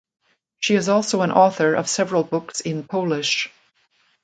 She is also an author of several books in Polish.